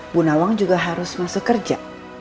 bunawang juga harus masuk kerja